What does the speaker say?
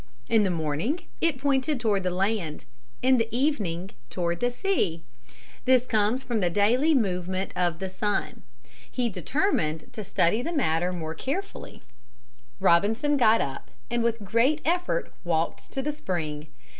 In the morning it pointed toward the land. In the evening toward the sea. This comes from the daily movement of the sun. He determined to study the matter more carefully. Robinson got up and with great effort walked to the spring.